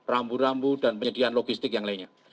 rambu rambu dan penyediaan logistik yang lainnya